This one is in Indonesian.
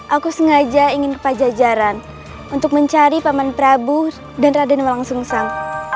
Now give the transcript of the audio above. aku sengaja ingin ke pajajaran untuk mencari paman prabu dan raden walangsungsang